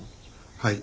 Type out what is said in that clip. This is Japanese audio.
はい。